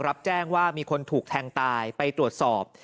รับแจ้งว่ามีคนถูกแทงตายไปตรวจสอบ